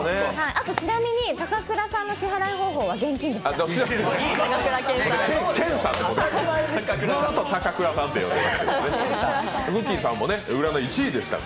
ちなみに高倉さんの支払い方法は現金でした。